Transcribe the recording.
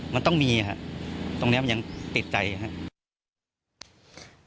มันต้องมีครับตรงนี้มันยังติดใจครับ